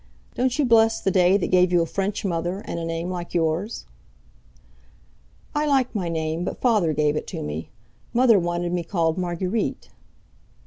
Don't you bless the day that gave you a French mother, and a name like yours?" "I like my name, but Father gave it me. Mother wanted me called Marguerite."